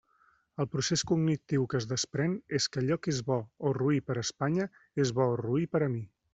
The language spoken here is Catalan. El procés cognitiu que es desprén és que allò que és bo o roí per a Espanya és bo o roí per a mi.